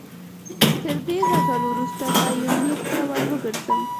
تر دې غزلو وروسته به یونلیک ته ور وګرځم.